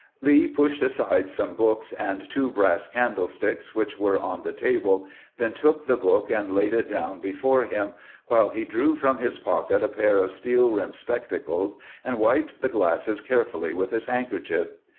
Lee pushed aside some books and two brass candle sticks which were on the table, then took the book and laid it down before him, while he drew from his pocket a pair of steel rimmed spectacles, and wiped the glasses carefully with his handkerchief.